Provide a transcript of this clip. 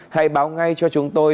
hãy báo ngay cho chúng tôi